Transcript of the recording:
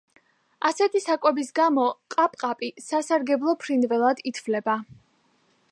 ასეთი საკვების გამო ყაპყაპი სასარგებლო ფრინველად ითვლება.